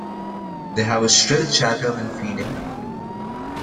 They have a shrill chatter when feeding.